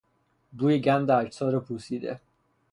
بوی گند اجساد پوسیده